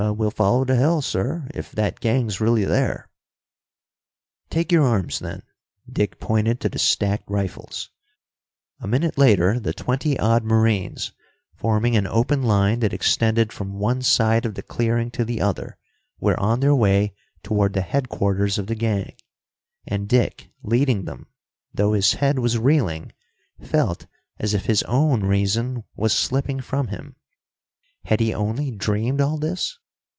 "We'll follow to hell, sir if that gang's really there." "Take your arms, then!" Dick pointed to the stacked rifles. A minute later the twenty odd Marines, forming an open line that extended from one side of the clearing to the other, were on their way toward the headquarters of the gang. And Dick, leading them, though his head was reeling, felt as if his own reason was slipping from him. Had he only dreamed all this?